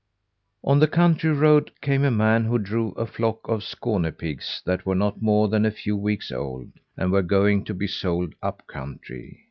On the country road came a man who drove a flock of Skåne pigs that were not more than a few weeks old, and were going to be sold up country.